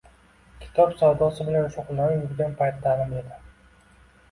Kitob savdosi bilan shug’ullanib yurgan paytlarim edi.